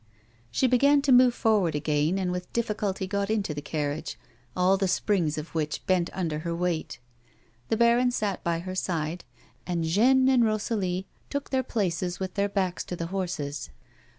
She began to move forward again, and with difficulty got into the carriage, all the springs of which bent under her weight. The baron sat by her side, and Jeanne and Rosalie took their places with their backs to the horses.